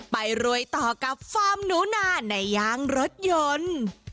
ไปรวยต่อกับฟาร์มหนูนาในยางรถยนต์